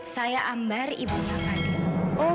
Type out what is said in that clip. saya ambar ibunya fadil